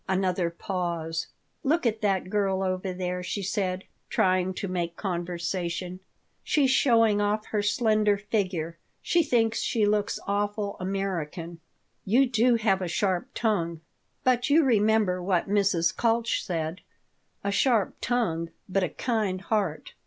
Another pause "Look at that girl over there," she said, trying to make conversation. "She's showing off her slender figure. She thinks she looks awful American." "You do have a sharp tongue." "But you remember what Mrs. Kalch said: 'A sharp tongue, but a kind heart.'"